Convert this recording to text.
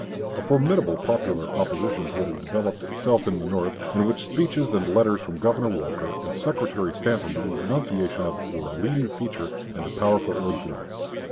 A formidable popular opposition to it had developed itself in the North, in which speeches and letters from Governor Walker and Secretary Stanton in denunciation of it were a leading feature and a powerful influence.